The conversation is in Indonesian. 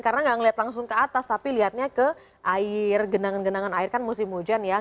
karena nggak melihat langsung ke atas tapi lihatnya ke air genangan genangan air kan musim hujan ya